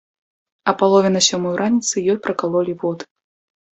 А палове на сёмую раніцы ёй пракалолі воды.